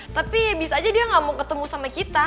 tapi ya bisa aja dia gak mau ketemu sama kita